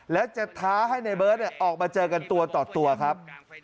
และจะท้าให้ในเบิร์ตออกมาเจอกันตัวต่อตัวครับ